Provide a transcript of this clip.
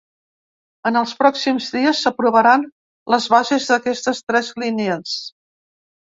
En els pròxims dies s’aprovaran les bases d’aquestes tres línies.